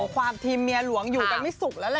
ความทีมเมียหลวงอยู่กันไม่สุขแล้วล่ะ